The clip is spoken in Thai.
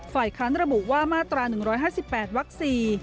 ฝ่ายค้านระบุว่ามาตรา๑๕๘วัก๔